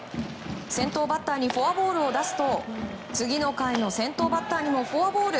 先頭バッターにフォアボールを出すと次の回の先頭バッターにもフォアボール。